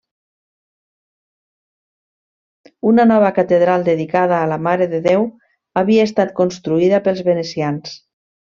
Una nova catedral dedicada a la Mare de Déu havia estat construïda pels venecians.